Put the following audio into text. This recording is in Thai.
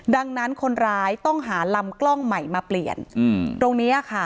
ดังนั้นคนร้ายต้องหาลำกล้องใหม่มาเปลี่ยนตรงนี้ค่ะ